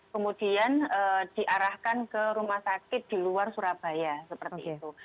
kemudian diarahkan ke rumah sakit di luar surabaya seperti itu